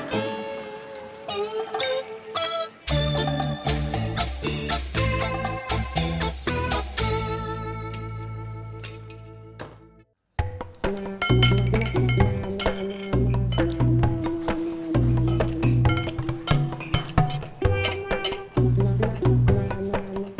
sekarang kita mau ke rumah